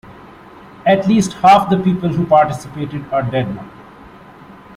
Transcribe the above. At least half the people who participated are dead now.